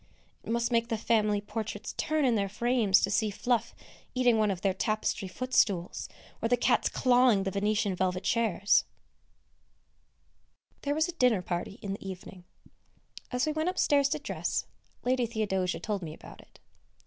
It must make the family portraits turn in their frames to see Fluff eating one of their tapestry footstools, or the cats clawing the Venetian velvet chairs. [Sidenote: Feeding the Aborigines] There was a dinner party in the evening. As we went upstairs to dress, Lady Theodosia told me about it.